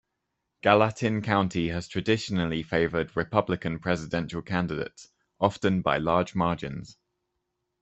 Gallatin County has traditionally favored Republican presidential candidates, often by large margins.